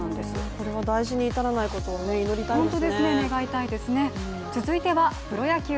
これは大事に至らないことを祈りたいですね。